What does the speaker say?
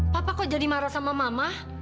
papa kok jadi marah sama mama